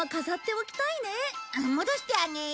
戻してあげよう。